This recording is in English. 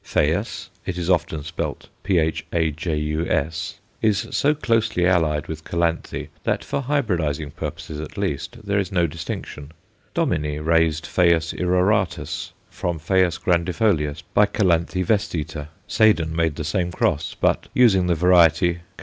Phaius it is often spelt Phajus is so closely allied with Calanthe that for hybridizing purposes at least there is no distinction. Dominy raised Ph. irroratus from Ph. grandifolius × Cal. vestita; Seden made the same cross, but, using the variety _Cal.